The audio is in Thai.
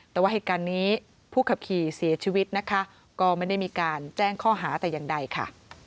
แต่ว่าเหตุการณ์นี้ผู้ขับขี่เสียชีวิตนะคะก็ไม่ได้มีการแจ้งข้อหาแต่อย่างใดค่ะ